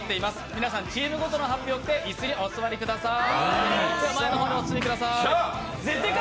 皆さんチームごとのはっぴを着てお座りください。